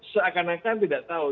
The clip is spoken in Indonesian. seakan akan tidak tahu